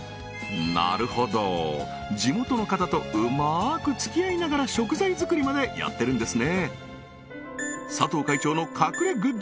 なるほど地元の方とうまく付き合いながら食材作りまでやってるんですね